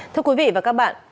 thưa quý vị và các bạn